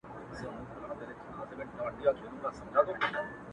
• هري خوا ته يې سكروټي غورځولي,